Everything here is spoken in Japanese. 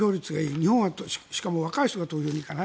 日本は、しかも若い人が投票に行かない。